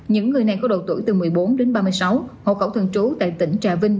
những người này có độ tuổi từ một mươi bốn đến ba mươi sáu hộ khẩu thường trú tại tỉnh trà vinh